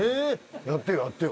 やってよやってよ。